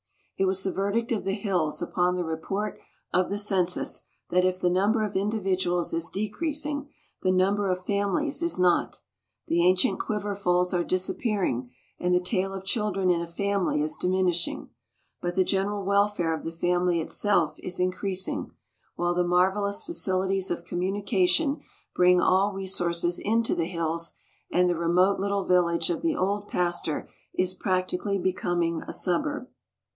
It was the verdict of the hills upon the report of the census that if the number of individuals is decreasing, the number of families is not. The ancient quiverfuls are disappearing, and the tale of children in a family is diminishing. But the general welfare of the family itself is increasing, while the marvellous facilities of communication bring all resources into the hills, and the remote little village of the old pastor is practically becoming a suburb.